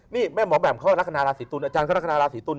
นี่แม่หมอแหม่มเขาลักษณะราศีตุลอาจารย์เขาลักษณะราศีตุล